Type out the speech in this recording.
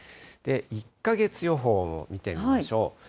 １か月予報を見てみましょう。